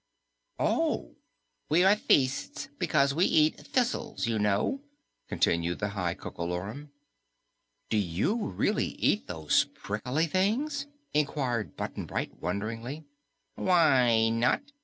"Oh!" "We are Thists because we eat thistles, you know," continued the High Coco Lorum. "Do you really eat those prickly things?" inquired Button Bright wonderingly. "Why not?"